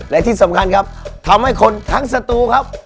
และที่สำคัญครับทำให้คนทั้งสตูครับ